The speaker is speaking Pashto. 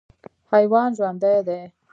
حیوان ژوندی دی.